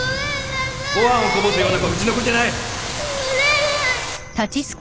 ご飯をこぼすような子はうちの子じゃない！